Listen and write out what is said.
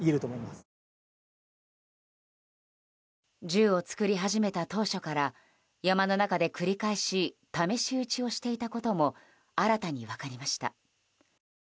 銃を作り始めた当初から山の中で繰り返し試し撃ちをしていたことも新たに分かりました。